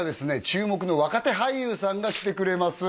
注目の若手俳優さんが来てくれます